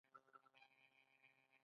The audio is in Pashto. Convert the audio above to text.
آیا دوی خپلې میاشتې نلري؟